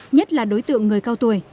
nhất là đối tượng người cao tuổi